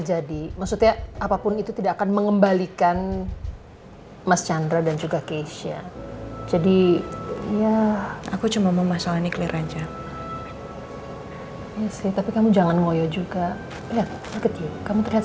jadi waktu aku bebas dia ngajakin aku untuk hangout